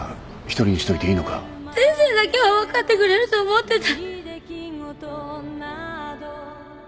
先生だけは分かってくれると思ってた。